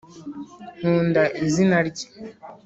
nkunda izina rye